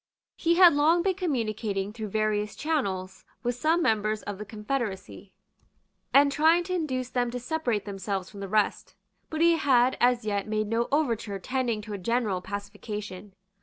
He had long been communicating through various channels with some members of the confederacy, and trying to induce them to separate themselves from the rest. But he had as yet made no overture tending to a general pacification.